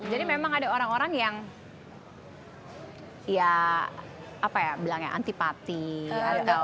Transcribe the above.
jadi memang ada orang orang yang ya apa ya bilangnya antipati atau